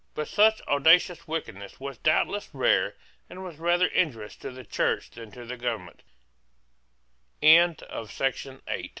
But such audacious wickedness was doubtless rare and was rather injurious to the Church than to the government, Those c